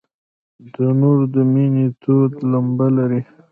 تنور د مینې تود لمبه لري